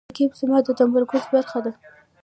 رقیب زما د تمرکز برخه ده